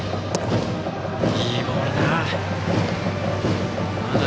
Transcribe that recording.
いいボールだ。